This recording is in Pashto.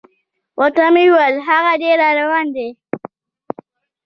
ورته مې وویل: هاغه دی را روان دی.